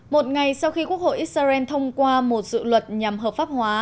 một ngày sau khi quốc hội israel thông qua một dự luật nhằm hợp pháp hóa